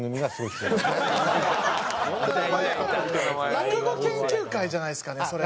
落語研究会じゃないですかねそれ。